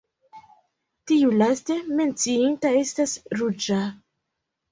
Tiu laste menciita estas ruĝa.